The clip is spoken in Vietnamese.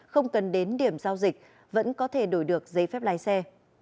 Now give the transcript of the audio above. không cần đến điểm giao dịch vẫn có thể đổi được giấy phép lái xe